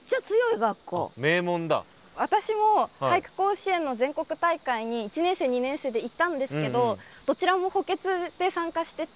私も俳句甲子園の全国大会に１年生２年生で行ったんですけどどちらも補欠で参加してて。